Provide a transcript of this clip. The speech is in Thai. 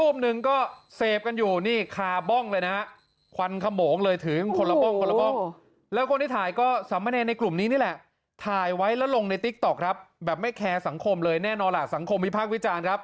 โปรดติดตามตอนต่อไป